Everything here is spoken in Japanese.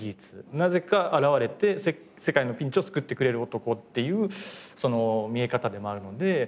なぜか現れて世界のピンチを救ってくれる男っていう見え方でもあるので。